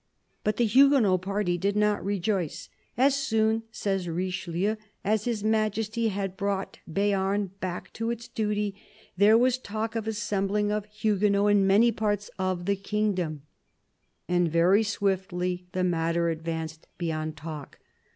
But the Huguenot party did not rejoice. "As soon," says Richelieu, " as His Majesty had brought Bearn back to its duty, there was talk of the assembling of Huguenots THE BISHOP OF LUgON 129 in many parts of the kingdom." And very swiftly the matter advanced beyond talk.